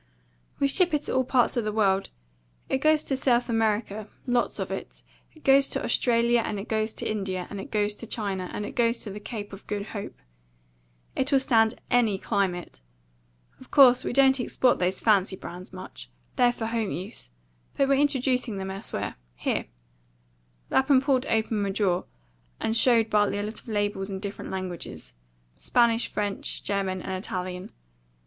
"We ship it to all parts of the world. It goes to South America, lots of it. It goes to Australia, and it goes to India, and it goes to China, and it goes to the Cape of Good Hope. It'll stand any climate. Of course, we don't export these fancy brands much. They're for home use. But we're introducing them elsewhere. Here." Lapham pulled open a drawer, and showed Bartley a lot of labels in different languages Spanish, French, German, and Italian.